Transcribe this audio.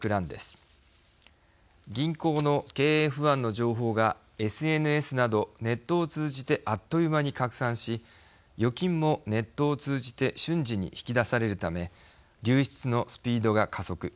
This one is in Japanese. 銀行の経営不安の情報がＳＮＳなどネットを通じてあっという間に拡散し預金もネットを通じて瞬時に引き出されるため流出のスピードが加速。